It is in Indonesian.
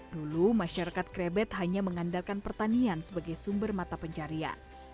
dulu masyarakat krebet hanya mengandalkan pertanian sebagai sumber mata pencarian